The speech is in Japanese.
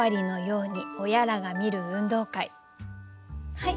はい。